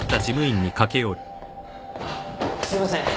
あっすいません。